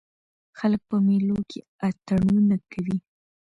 خلک په مېلو کښي اتڼونه کوي.